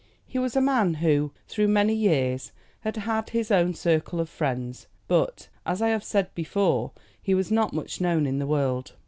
He was a man who, through many years, had had his own circle of friends, but, as I have said before, he was not much known in the world.